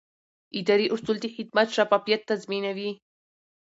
اداري اصول د خدمت شفافیت تضمینوي.